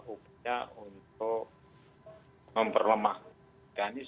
upaya untuk memperlemahkan ini